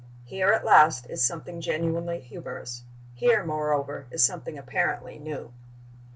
Here, at last, is something genuinely humorous. Here, moreover, is something apparently new.